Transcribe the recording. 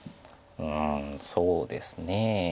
うんそうですね。